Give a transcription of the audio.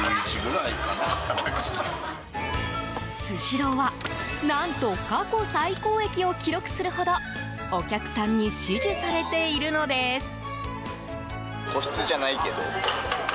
スシローは何と過去最高益を記録するほどお客さんに支持されているのです。